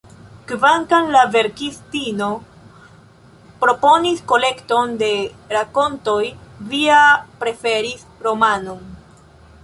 Kvankam la verkistino proponis kolekton de rakontoj, Via preferis romanon.